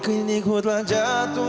kini ku telah jatuh